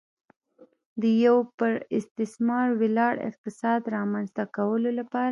د یوه پر استثمار ولاړ اقتصاد رامنځته کولو لپاره.